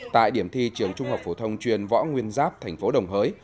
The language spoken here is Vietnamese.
tại điểm thi trường trung học phổ thông truyền võ nguyên giáp thành phố đồng hới